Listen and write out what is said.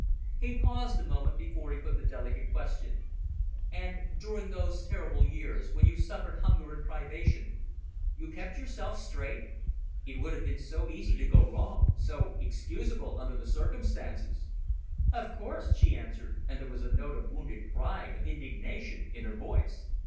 He paused a moment before he put the delicate question. "And during those terrible years, when you suffered hunger and privation, you kept yourself straight? It would have been so easy to go wrong, so excusable under the circumstances." "Of course," she answered, and there was a note of wounded pride, of indignation, in her voice.